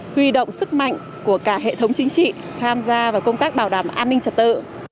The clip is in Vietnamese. huy động sức mạnh của cả hệ thống chính trị tham gia vào công tác bảo đảm an ninh trật tự